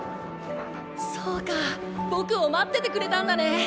そうか僕を待っててくれたんだね。